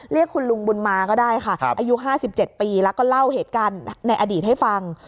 เรียกคุณลุงบุญมาก็ได้ค่ะอายุ๕๗ปีแล้วก็เล่าเหตุการณ์ในอดีตให้ฟัง